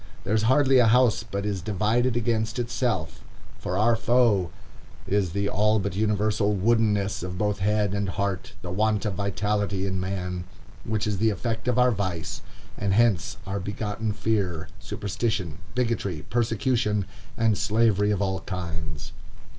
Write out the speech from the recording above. There is hardly a house but is divided against itself, for our foe is the all but universal woodenness of both head and heart, the want of vitality in man, which is the effect of our vice; and hence are begotten fear, superstition, bigotry, persecution, and slavery of all kinds.